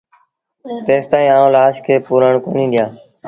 تيستائيٚݩ آئوݩ لآش کي پورڻ ڪونهيٚ ڏيآݩ